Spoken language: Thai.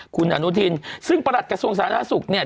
คุณอนุทินซึ่งประหลัดกระทรวงสาธารณสุขเนี่ย